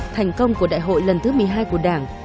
thành công của đại hội lần thứ một mươi hai của đảng